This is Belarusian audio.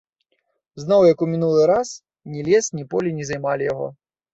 Зноў, як ў мінулы раз, ні лес, ні поле не займалі яго.